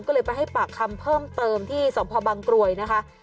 ก็เลยไปให้ปากคำเพิ่มเติมที่สพบังกรวยนะคะ